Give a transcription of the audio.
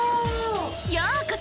ようこそ！